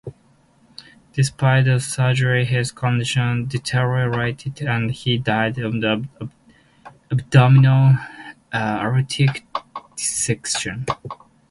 Despite the surgery his condition deteriorated and he died of abdominal aortic dissection.